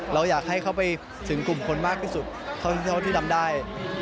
เราอยากให้เขาไปถึงกลุ่มคนมากที่สุดเท่าที่ทำได้